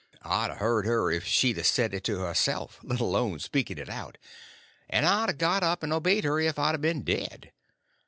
I'd a heard her if she'd a said it to herself, let alone speaking it out; and I'd a got up and obeyed her if I'd a been dead.